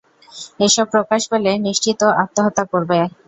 এ সব প্রকাশ পেলে নিশ্চিত ও আত্মহত্যা করবে।